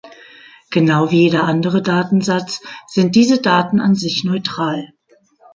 Genau wie jeder andere Datensatz sind diese Daten an sich „neutral“.